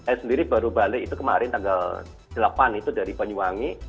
eh sendiri baru balik itu kemarin tanggal delapan itu dari banyuwangi